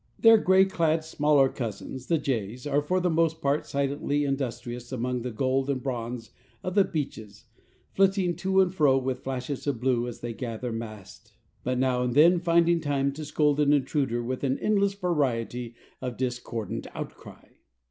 Their gay clad smaller cousins, the jays, are for the most part silently industrious among the gold and bronze of the beeches, flitting to and fro with flashes of blue as they gather mast, but now and then finding time to scold an intruder with an endless variety of discordant outcry.